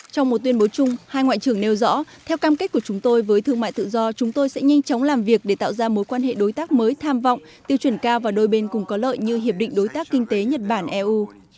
trong một tuyên bố chung hai ngoại trưởng nêu rõ theo cam kết của chúng tôi với thương mại tự do chúng tôi sẽ nhanh chóng làm việc để tạo ra mối quan hệ đối tác mới tham vọng tiêu chuẩn cao và đôi bên cùng có lợi như hiệp định đối tác kinh tế nhật bản eu